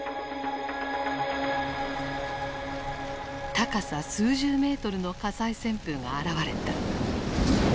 高さ数十ｍの火災旋風が現れた。